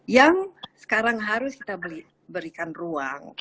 yang sekarang harus kita berikan ruang itu ada